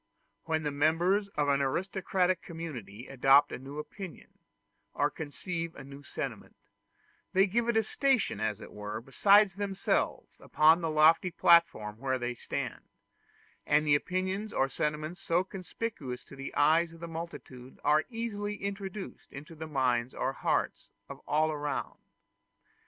When the members of an aristocratic community adopt a new opinion, or conceive a new sentiment, they give it a station, as it were, beside themselves, upon the lofty platform where they stand; and opinions or sentiments so conspicuous to the eyes of the multitude are easily introduced into the minds or hearts of all around.